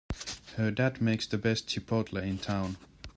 Her dad makes the best chipotle in town!